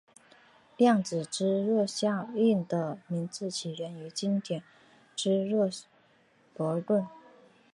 量子芝诺效应的名字起源于经典的芝诺悖论。